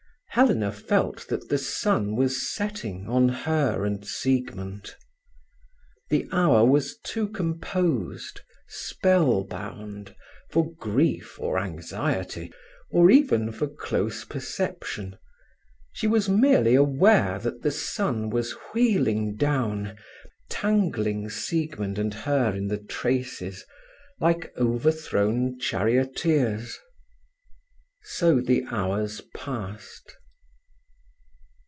Helena felt that the sun was setting on her and Siegmund. The hour was too composed, spell bound, for grief or anxiety or even for close perception. She was merely aware that the sun was wheeling down, tangling Siegmund and her in the traces, like overthrown charioteers. So the hours passed.